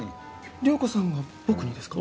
遼子さんが僕にですか？